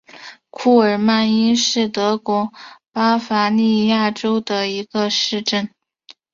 库尔迈因是德国巴伐利亚州的一个市镇。